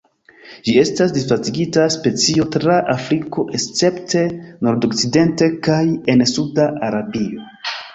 Ĝi estas disvastigata specio tra Afriko, escepte nordokcidente kaj en suda Arabio.